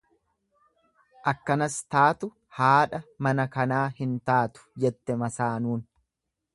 Akkanas taatu haadha mana kanaa hin taatu, jette masaanuun.